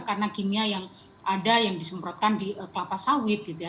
karena kimia yang ada yang disemprotkan di kelapa sawit gitu ya